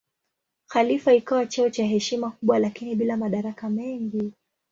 Khalifa ikawa cheo cha heshima kubwa lakini bila madaraka mengi.